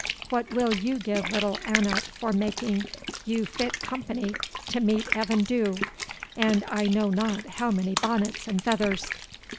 What will you give little Annot for making you fit company to meet Evan Dhu, and I know not how many bonnets and feathers?"